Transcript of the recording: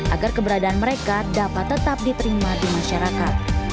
agar keberadaan mereka dapat tetap diterima di masyarakat